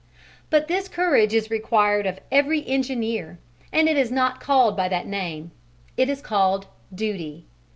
But this courage is required of every engineer and it is not called by that name: it is called "duty."